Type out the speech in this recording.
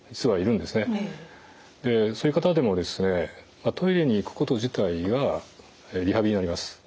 そういう方でもトイレに行くこと自体がリハビリになります。